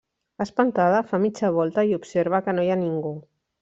Espantada, fa mitja volta i observa que no hi ha ningú.